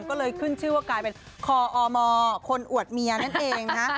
ก็เลยขึ้นชื่อว่ากลายเป็นคออมคนอวดเมียนั่นเองนะฮะ